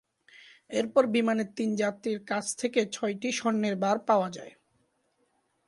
এরপর বিমানের তিন যাত্রীর কাছ থেকে ছয়টি স্বর্ণের বার পাওয়া যায়।